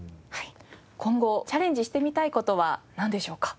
今後チャレンジしてみたい事はなんでしょうか？